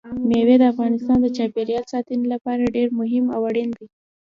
مېوې د افغانستان د چاپیریال ساتنې لپاره ډېر مهم او اړین دي.